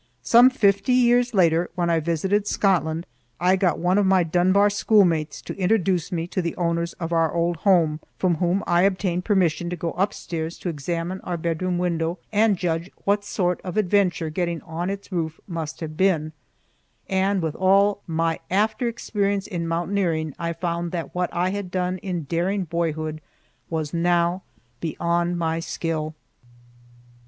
Some fifty years later, when I visited Scotland, I got one of my Dunbar schoolmates to introduce me to the owners of our old home, from whom I obtained permission to go upstairs to examine our bedroom window and judge what sort of adventure getting on its roof must have been, and with all my after experience in mountaineering, I found that what I had done in daring boyhood was now beyond my skill.